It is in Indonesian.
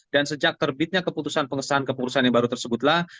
dan sejak terbitnya keputusan pengesahan kepengurusan yang baru tersebutlah